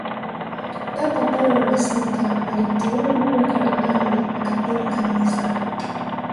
Papa Paulo wa sita alimteua kuwa kardinali akapewa kanisa